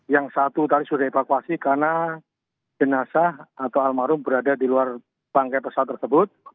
yang satu tadi sudah evakuasi karena jenazah atau almarhum berada di luar bangkai pesawat tersebut